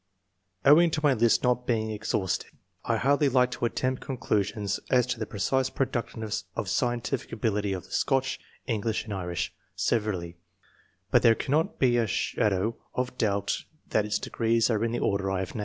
Owing to my list not being ex haustive, I hardly like to attempt conclusions as to the precise productiveness of scien tific ability of the Scotch, EngKsh, and Irish severally, but there cannot be a shadow of doubt that its degrees are in the order I have named.